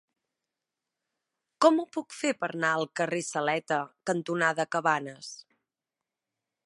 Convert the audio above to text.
Com ho puc fer per anar al carrer Saleta cantonada Cabanes?